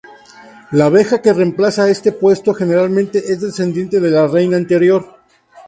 La abeja que reemplaza este puesto generalmente es descendiente de la reina anterior.